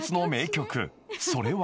［それは］